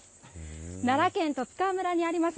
奈良県十津川村にあります